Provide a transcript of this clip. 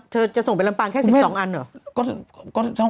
จะส่งไปลำปางแค่๑๒อันเหรอ